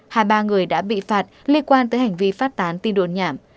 hai ba người đã bị phạt liên quan tới hành vi phát tán tin đồn nhảm